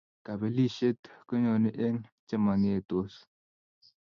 Kapelisiet konyoni eng chemangetos